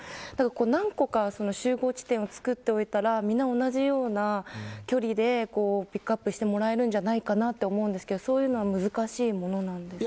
何個か集合地点を作っておいたらみんな同じような距離でピックアップしてもらえるんじゃないかなと思うんですけどそういうのは難しいものなんですか。